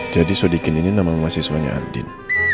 jadi so dikin ini namanya mahasiswanya andin